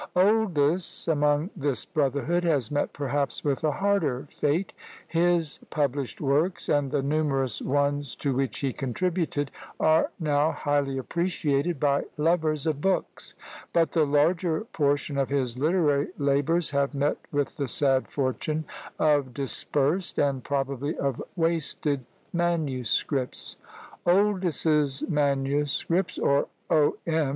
Oldys, among this brotherhood, has met perhaps with a harder fate; his published works, and the numerous ones to which he contributed, are now highly appreciated by the lovers of books; but the larger portion of his literary labours have met with the sad fortune of dispersed, and probably of wasted manuscripts. Oldys's manuscripts, or O. M.